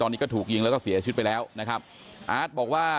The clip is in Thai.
ก็ได้รู้สึกว่ามันกลายเป้าหมายและมันกลายเป้าหมาย